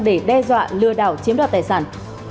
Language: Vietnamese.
để đe dọa lừa đảo chiếm đoạt tài sản